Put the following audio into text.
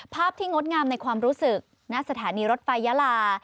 ภาพที่งดงามในความรู้สึกณสถานีรถไฟยาลา